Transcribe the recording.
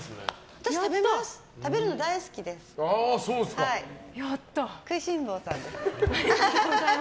私、食べます。